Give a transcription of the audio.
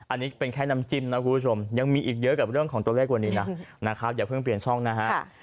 อันนี้เป็นแค่น้ำจิ้มนะคุณผู้ชมยังมีอีกเยอะกับเรื่องของตัวเลขวันนี้นะนะครับอย่าเพิ่งเปลี่ยนช่องนะฮะ